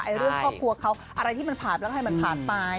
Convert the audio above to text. เรื่องครอบครัวเขาอะไรที่มันผ่านแล้วให้มันผ่านไป